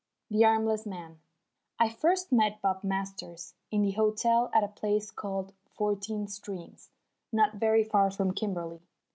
II THE ARMLESS MAN I first met Bob Masters in the hotel at a place called Fourteen Streams, not very far from Kimberley.